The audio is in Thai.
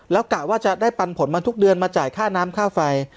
แล้วกะว่าจะได้ปันผลมาทุกเดือนมาจ่ายค่าน้ำค่าไฟ